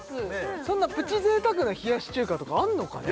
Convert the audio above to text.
そんなプチ贅沢な冷やし中華とかあんのかね？